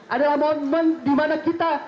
adalah momen dimana kita